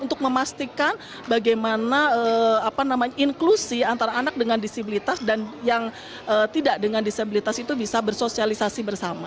untuk memastikan bagaimana inklusi antara anak dengan disabilitas dan yang tidak dengan disabilitas itu bisa bersosialisasi bersama